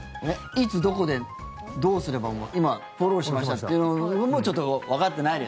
いつ、どこで、どうすれば今フォローしましたっていうのもちょっとわかってないです。